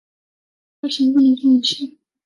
不行，不能放弃